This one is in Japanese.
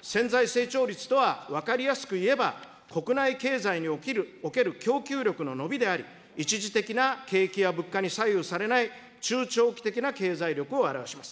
潜在成長率とは、分かりやすくいえば、国内経済における供給力の伸びであり、一時的な景気や物価に左右されない中長期的な経済力を表します。